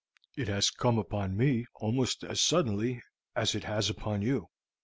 It has come upon me almost as suddenly as it has upon you.